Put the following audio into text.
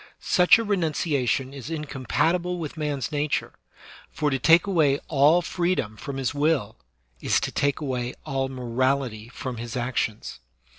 Such a renunciation is incompatible with man's nature, for to take away all freedom from his will is to take away all morality from his actions.